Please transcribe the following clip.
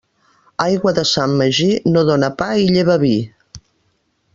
Aigua de Sant Magí no dóna pa i lleva vi.